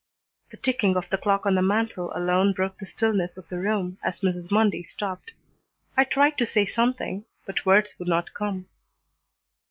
The ticking of the clock on the mantel alone broke the stillness of the room as Mrs. Mundy stopped. I tried to say something, but words would not come.